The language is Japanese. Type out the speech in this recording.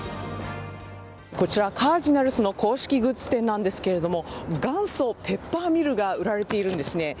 こちら、カージナルスの公式グッズ店なんですけれども元祖ペッパーミルが売られているんですね。